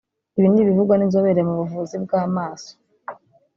Ibi ni ibivugwa n’inzobere mu buvuzi bw’amaso